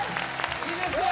いいですよ